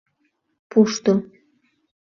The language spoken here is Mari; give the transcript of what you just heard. Пушто!..